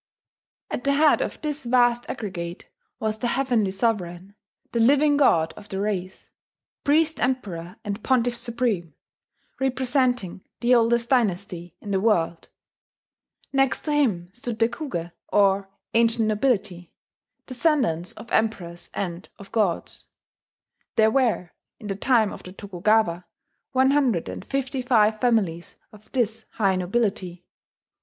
At the head of this vast aggregate was the Heavenly Sovereign, the Living God of the race, Priest Emperor and Pontiff Supreme, representing the oldest dynasty in the world. Next to him stood the Kuge, or ancient nobility, descendants of emperors and of gods. There were, in the time of the Tokugawa, 155 families of this high nobility.